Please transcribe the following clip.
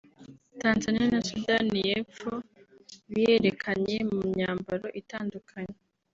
Tanzania na Sudani y’Epfo biyerekanye mu myambaro itandukanye